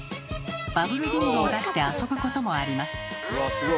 バブルリングを出して遊ぶこともあります。